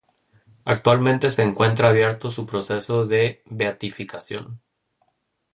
Actualmente se encuentra abierto su proceso de beatificación.